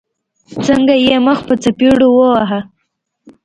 څنګه يې مخ په څپېړو واهه.